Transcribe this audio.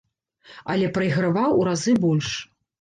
Але прайграваў у разы больш.